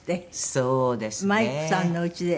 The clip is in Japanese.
そうですね。